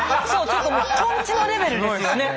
ちょっともうトンチのレベルですよね。